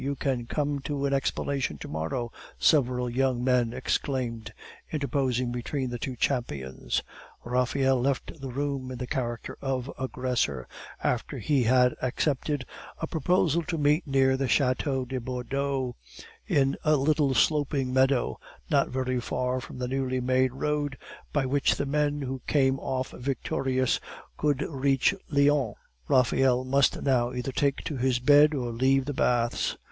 You can come to an explanation to morrow," several young men exclaimed, interposing between the two champions. Raphael left the room in the character of aggressor, after he had accepted a proposal to meet near the Chateau de Bordeau, in a little sloping meadow, not very far from the newly made road, by which the man who came off victorious could reach Lyons. Raphael must now either take to his bed or leave the baths.